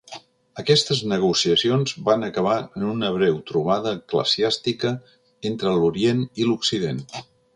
Aquestes negociacions van acabar en una breu trobada eclesiàstica entre l'Orient i l'Occident.